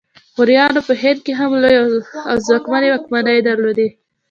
غوریانو په هند کې هم لویې او ځواکمنې واکمنۍ درلودې